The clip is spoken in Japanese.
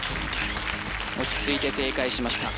落ち着いて正解しました